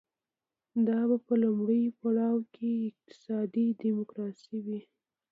دا به په لومړي پړاو کې اقتصادي ډیموکراسي وي.